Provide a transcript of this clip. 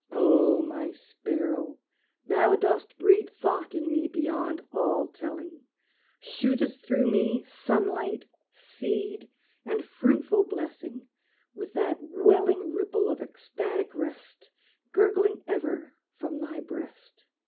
Oh, my sparrow, thou dost breed Thought in me beyond all telling; Shootest through me sunlight, seed, And fruitful blessing, with that welling Ripple of ecstatic rest, Gurgling ever from thy breast!